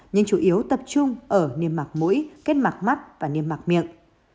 nhưng chủ yếu tập trung ở niêm mạc mũi kết mặt mắt và niêm mạc miệng